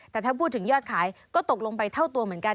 แต่ถ้าพูดถึงยอดขายก็ตกลงไปเท่าตัวเหมือนกัน